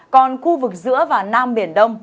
còn khu vực giữa và nam biển đông